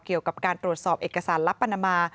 เกี่ยวกับการตรวจสอบเอกสารลับปานามา